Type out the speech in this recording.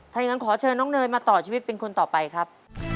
ถ้าอย่างนั้นขอเชิญน้องเนยมาต่อชีวิตเป็นคนต่อไปครับ